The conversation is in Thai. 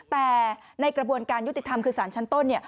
แต่ในกระบวนการยุติธรรมคือสารชั้นต้น